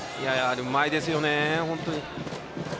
うまいですね、本当に。